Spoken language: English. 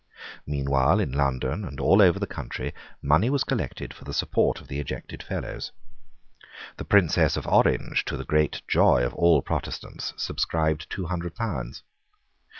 Meanwhile, in London and all over the country, money was collected for the support of the ejected Fellows. The Princess of Orange, to the great joy of all Protestants, subscribed two hundred pounds.